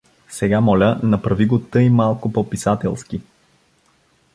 Сега, моля, направи го тъй малко по писателски.